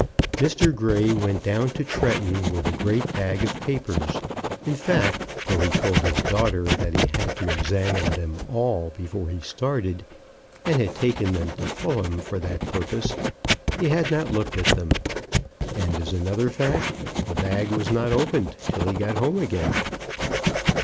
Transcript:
Mr. Grey went down to Tretton with a great bag of papers. In fact, though he told his daughter that he had to examine them all before he started, and had taken them to Fulham for that purpose, he had not looked at them. And, as another fact, the bag was not opened till he got home again.